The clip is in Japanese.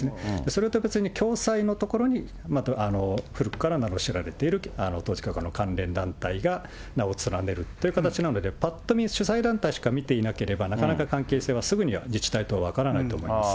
それと別に共催のところに、古くから名の知られている統一教会の関連団体が名を連ねるという形なので、ぱっと見、主催団体しか見ていなければ、なかなか関係性はすぐには自治体等は分からないと思います。